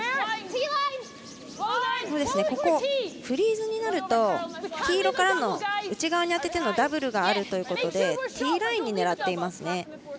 フリーズになると黄色から、内側に当ててのダブルがあるということでティーラインに狙っていますね。